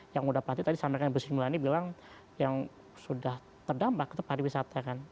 yang sudah pati tadi seandainya bersih mulani bilang yang sudah terdampak itu pariwisata